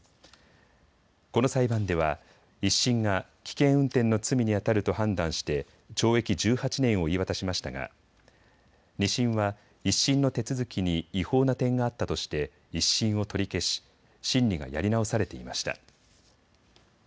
この裁判では１審が危険運転の罪にあたると判断して懲役１８年を言い渡しましたが２審は１審の手続きに違法な点があったとして１審を取り消し審理がやり直されていました。